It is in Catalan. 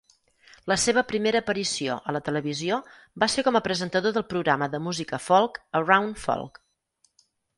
La seva primera aparició a la televisió va ser com a presentador del programa de música folk "Around Folk".